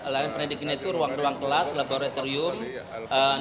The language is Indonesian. layanan pendidikan itu ruang ruang kelas laboratorium